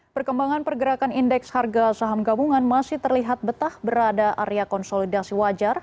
perkembangan pergerakan indeks harga saham gabungan masih terlihat betah berada area konsolidasi wajar